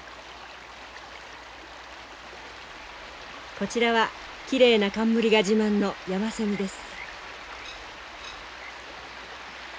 こちらはきれいな冠が自慢のヤマセミです。